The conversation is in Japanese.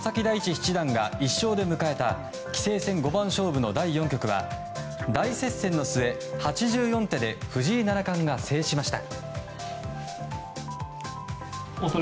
七段が１勝で迎えた棋聖戦五番勝負の第４局は大接戦の末８４手で藤井七冠が制しました。